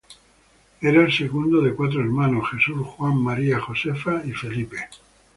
Era el segundo de cuatro hermanos: Jesús, Juan, María Josefa y Felipe.